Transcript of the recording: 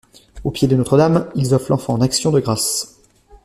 Aux pieds de Notre-Dame, ils offrent l’enfant en action de grâces.